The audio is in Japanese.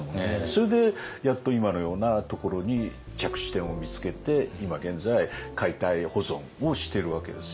それでやっと今のようなところに着地点を見つけて今現在解体保存をしてるわけですよね。